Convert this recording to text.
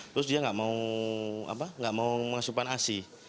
terus dia tidak mau mengasupan asih